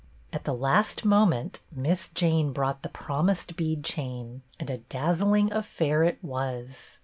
At the last moment Miss Jane brought the promised bead chain, and a dazzling affair it was.